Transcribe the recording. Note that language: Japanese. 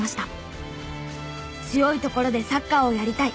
強いところでサッカーをやりたい。